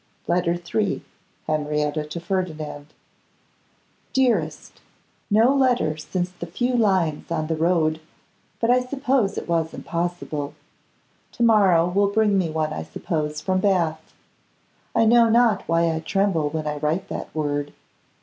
Letter III. Henrietta to Ferdinand. Dearest! No letter since the few lines on the road, but I suppose it was impossible. To morrow will bring me one, I suppose, from Bath. I know not why I tremble when I write that word.